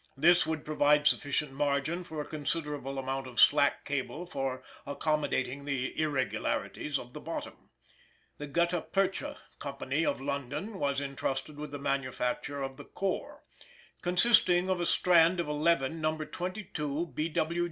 This would provide sufficient margin for a considerable amount of "slack" cable for accommodating the irregularities of the bottom. The Gutta Percha Company of London were entrusted with the manufacture of the "core," consisting of a strand of seven No. 22 B.W.G.